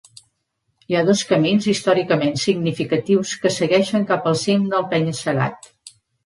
Hi ha dos camins històricament significatius que segueixen cap al cim del penya-segat.